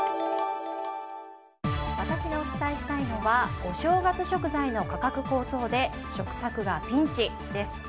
私がお伝えしたいのはお正月食材の価格高騰で食卓がピンチです。